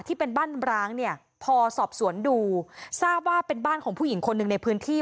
ที่เป็นบ้านร้างเนี่ยพอสอบสวนดูทราบว่าเป็นบ้านของผู้หญิงคนหนึ่งในพื้นที่